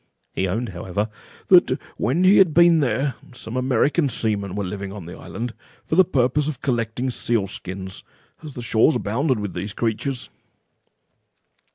He owned, however, "that when he had been there, some American seamen were living on the island, for the purpose of collecting seals' skins, as the shores abound with these creatures."